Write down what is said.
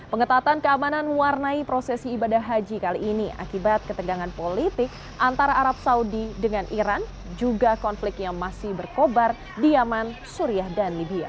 pengetatan keamanan mewarnai prosesi ibadah haji kali ini akibat ketegangan politik antara arab saudi dengan iran juga konflik yang masih berkobar di yaman suriah dan libya